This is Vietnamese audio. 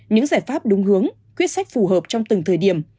những giải pháp đúng hướng quyết sách phù hợp trong từng thời điểm